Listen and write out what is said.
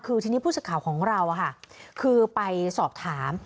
คือทีนี้ผู้สื่อข่าวของเราคือไปสอบถาม